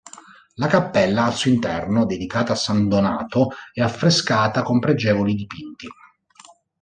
La cappella al suo interno, dedicata a San Donato, è affrescata con pregevoli dipinti.